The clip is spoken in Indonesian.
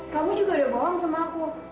kamu juga ada bohong sama aku